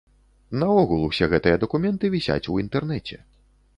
Наогул усе гэтыя дакументы вісяць у інтэрнэце.